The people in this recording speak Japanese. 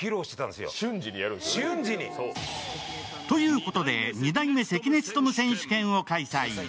ということで、２代目関根勤選手権を開催。